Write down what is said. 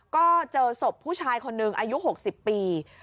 ก็เจอศพผู้ชายคนหนึ่งอายุ๖๐ปี